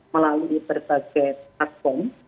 melalui berbagai platform